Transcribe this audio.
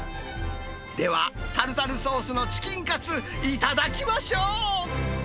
では、タルタルソースのチキンカツ、頂きましょう。